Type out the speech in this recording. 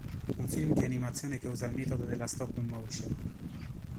Un film di animazione che usa il metodo della stop-motion.